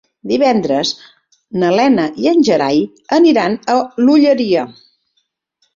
Divendres na Lena i en Gerai aniran a l'Olleria.